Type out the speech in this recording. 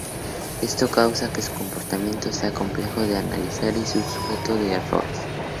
Esto causa que su comportamiento sea complejo de analizar y muy sujeto a errores.